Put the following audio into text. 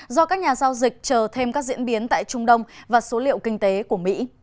do các nhà giao dịch chờ thêm các diễn biến tại trung đông và số liệu kinh tế của mỹ